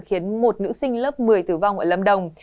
khiến một nữ sinh lớp một mươi tử vong ở lâm đồng